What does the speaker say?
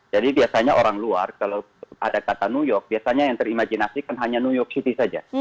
jadi biasanya orang luar kalau ada kata new york biasanya yang terimajinasikan hanya new york city saja